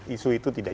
isu itu tidak